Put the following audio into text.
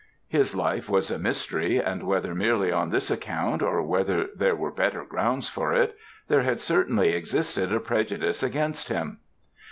His life was a mystery, and whether merely on this account, or whether there were better grounds for it, there had certainly existed a prejudice against him.